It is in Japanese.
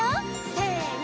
せの！